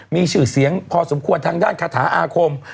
มีชื่อเสียงพอสมควรทางด้านคาถาอาคม